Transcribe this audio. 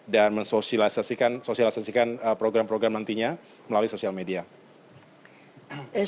dan mensosialisasikan program program nantinya melalui media sosial